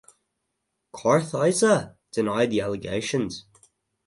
Kartheiser denied the allegations.